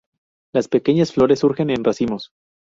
Las pequeñas flores surgen en racimos.